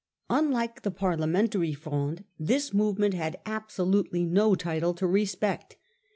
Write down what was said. Unlike the Parliamentary Fronde, this movement had absolutely no title to respect.